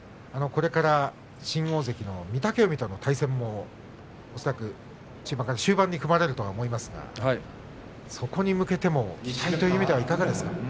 これから新大関の御嶽海との対戦もこれから終盤に組まれると思いますが、そこに向けての期待という意味ではいかがですか。